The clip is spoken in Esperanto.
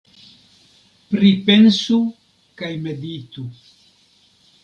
Pripensu kaj meditu.